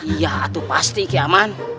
iya tuh pasti ki aman